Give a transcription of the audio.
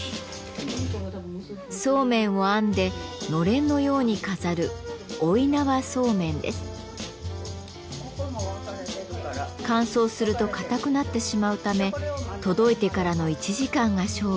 そうめんを編んでのれんのように飾る乾燥すると硬くなってしまうため届いてからの１時間が勝負。